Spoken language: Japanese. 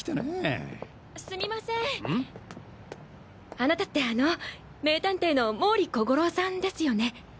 あなたってあの名探偵の毛利小五郎さんですよね？